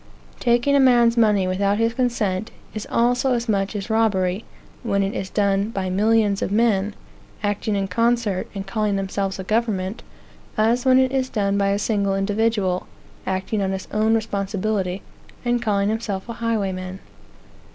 Taking a man's money without his consent, is also as much robbery, when it is done by millions of men, acting in concert, and calling themselves a government, as when it is done by a single individual, acting on his own responsibility, and calling himself a highwayman.